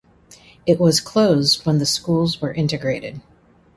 It was closed when the schools were integrated.